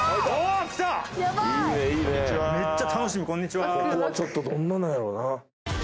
ちょっとどんなのやろな？